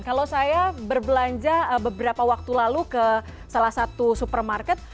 kalau saya berbelanja beberapa waktu lalu ke salah satu supermarket